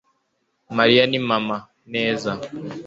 mariya ni mama. neza